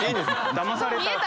だまされた。